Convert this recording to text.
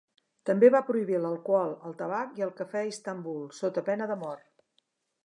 També va prohibir l'alcohol, el tabac i el cafè a Istanbul, sota pena de mort.